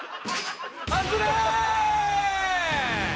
外れ！